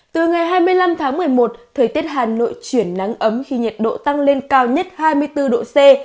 từ ngày hai mươi năm tháng một mươi một thời tiết hà nội chuyển nắng ấm khi nhiệt độ tăng lên cao nhất hai mươi bốn độ c